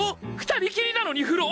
２人きりなのに風呂！？